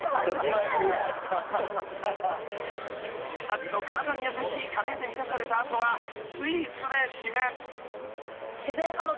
［２つの体に優しいカレーで満たされた後はスイーツで締め］